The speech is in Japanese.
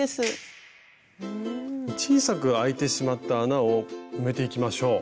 小さくあいてしまった穴を埋めていきましょう。